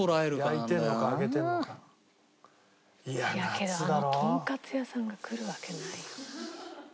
けどあのとんかつ屋さんが来るわけないよな。